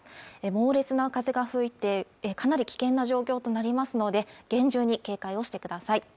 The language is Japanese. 猛烈な風が吹いてかなり危険な状況となりますので厳重に警戒をしてください